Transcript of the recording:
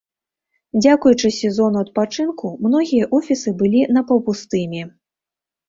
Дзякуючы сезону адпачынку, многія офісы былі напаўпустымі.